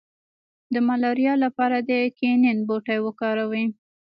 د ملاریا لپاره د کینین بوټی وکاروئ